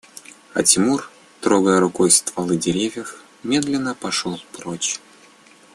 А Тимур, трогая рукой стволы деревьев, медленно пошел прочь